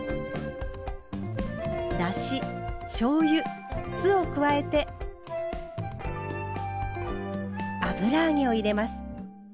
だし・しょうゆ・酢を加えて油揚げを入れます。